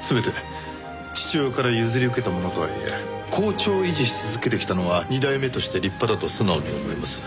全て父親から譲り受けたものとはいえ好調を維持し続けてきたのは二代目として立派だと素直に思います。